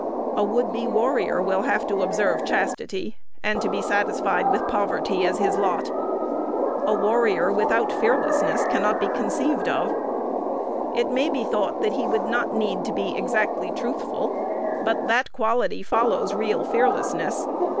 A would be warrior will have to observe chastity, and to be satisfied with poverty as his lot. A warrior without fearlessness cannot be conceived of. It may be thought that he would not need to be exactly truthful, but that quality follows real fearlessness.